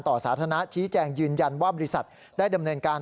สาธารณะชี้แจงยืนยันว่าบริษัทได้ดำเนินการ